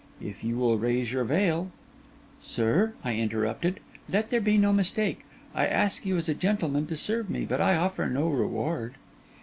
If you will raise your veil—' 'Sir,' I interrupted, 'let there be no mistake. I ask you, as a gentleman, to serve me, but I offer no reward.